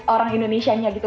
orang indonesianya gitu